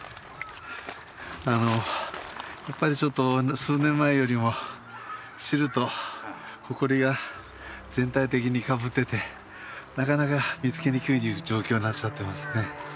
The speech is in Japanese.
あのやっぱりちょっと数年前よりもシルトホコリが全体的にかぶっててなかなか見つけにくい状況になっちゃってますね。